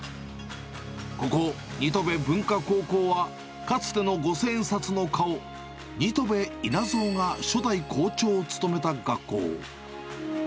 ここ、新渡戸文化高校は、かつての五千円札の顔、新渡戸稲造が初代校長を務めた学校。